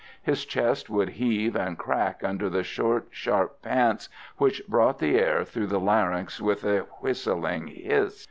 His chest would heave and crack under the short, sharp pants which brought the air through the larynx with a whistling hiss.